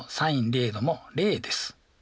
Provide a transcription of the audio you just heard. ０°も０です。